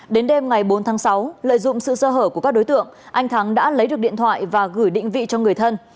đến đêm ngày bốn tháng sáu lợi dụng sự sơ hở của các đối tượng anh thắng đã lấy được điện thoại và gửi định vị cho người thân